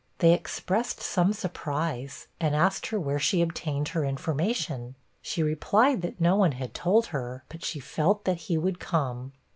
They expressed some surprise, and asked her where she obtained her information. She replied, that no one had told her, but she felt that he would come.